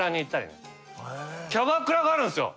キャバクラがあるんですよ！